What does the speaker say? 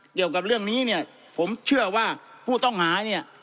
เกี่ยวกับเรื่องนี้เนี่ยผมเชื่อว่าผู้ต้องหาเนี่ย